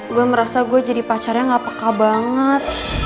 gue merasa gue jadi pacarnya gak peka banget